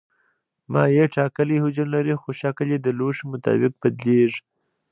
مایع ټاکلی حجم لري خو شکل یې د لوښي مطابق بدلېږي.